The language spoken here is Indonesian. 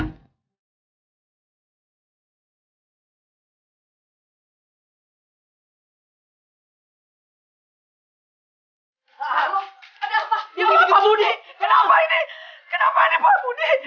ya allah pak budi kenapa ini